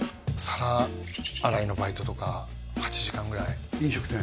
皿洗いのバイトとか８時間ぐらい飲食店？